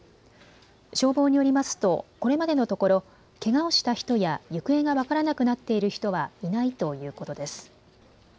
消防によりますとこれまでのところけがをした人や行方が分からなくなっている人はいないということです。